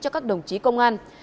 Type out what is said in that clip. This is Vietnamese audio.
cho các đồng chí công an